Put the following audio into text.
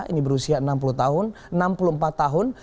ini berusia enam puluh empat tahun